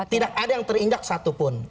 tidak ada yang terinjak satupun